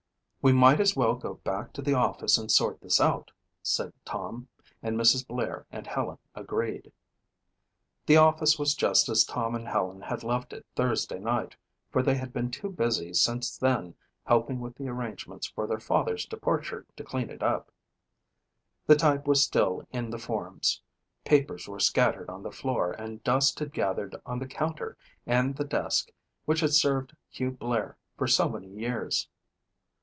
"We might as well go back to the office and sort this out," said Tom, and Mrs. Blair and Helen agreed. The office was just as Tom and Helen had left it Thursday night for they had been too busy since then helping with the arrangements for their father's departure to clean it up. The type was still in the forms, papers were scattered on the floor and dust had gathered on the counter and the desk which had served Hugh Blair for so many years.